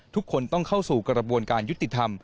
ทุกคนต้องเข้าสู่กระบวนการยุติธรรม